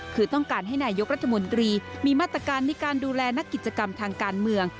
คือต้องการให้นายกรัฐมนตรีมีมาตรการในการดูแลนักกิจกรรมทางการเมือง